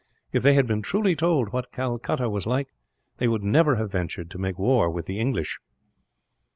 If they had been truly told what Calcutta was like, they would never have ventured to make war with the English."